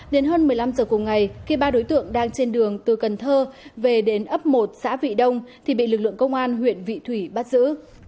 đến hơn một mươi năm giờ cùng ngày khi ba đối tượng đang trên đường từ cần thơ về đến ấp một xã vị đông thì bị lực lượng công an huyện vị thủy bắt giữ